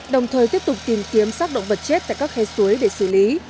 đồng thời tiếp tục tìm kiếm sát động vật chết tại các khay suối để xử lý